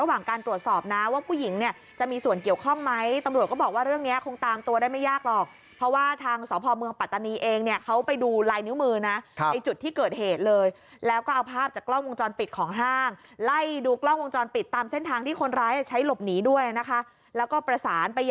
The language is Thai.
ไหมตำรวจก็บอกว่าเรื่องนี้คงตามตัวได้ไม่ยากหรอกเพราะว่าทางสพมปัตตานีเองเนี่ยเขาไปดูลายนิ้วมือนะในจุดที่เกิดเหตุเลยแล้วก็เอาภาพจากกล้องวงจรปิดของห้างไล่ดูกล้องวงจรปิดตามเส้นทางที่คนร้ายใช้หลบหนีด้วยนะคะแล้